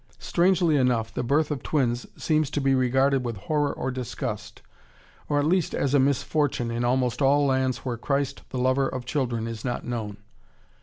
] Strangely enough the birth of twins seems to be regarded with horror or disgust, or at least as a misfortune, in almost all lands where Christ, the Lover of children, is not known.